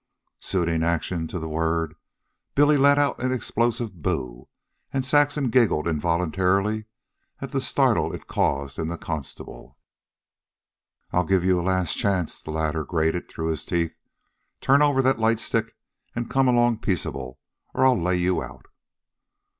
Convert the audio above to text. Suiting action to the word, Billy let out an explosive "BOO!" and Saxon giggled involuntarily at the startle it caused in the constable. "I'll give you a last chance," the latter grated through his teeth. "Turn over that light stick an' come along peaceable, or I'll lay you out."